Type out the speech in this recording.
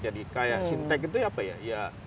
jadi kayak sintek itu apa ya